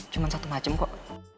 cuman satu macem kok